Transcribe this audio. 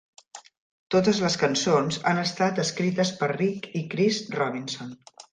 Totes les cançons han estat escrites per Rich i Chris Robinson.